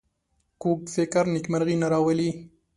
کوږ فکر نېکمرغي نه راولي